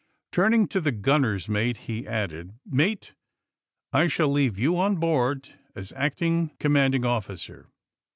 Turning to the gunner's mate be added: Mate, I sball leave you on board as acting commanding officer.